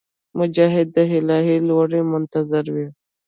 مجاهد د الهي لورینې منتظر وي.